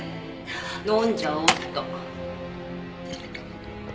飲んじゃおうっと。